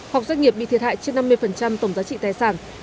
hoặc doanh nghiệp bị thiệt hại trên năm mươi tổng giá trị tài sản